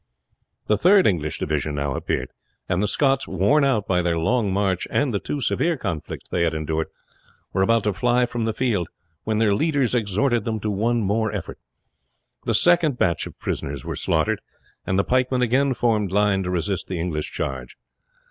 The third English division now appeared; and the Scots, worn out by their long march and the two severe conflicts they had endured, were about to fly from the field when their leaders exhorted them to one more effort. The second batch of prisoners were slaughtered, and the pikemen again formed line to resist the English charge.